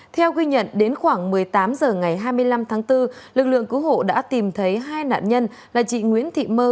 theo ghi nhận đến khoảng một mươi tám h ngày hai mươi năm tháng bốn lực lượng cứu hộ đã tìm thấy hai nạn nhân là chị nguyễn thị mơ